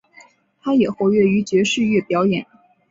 他也活跃于爵士乐表演。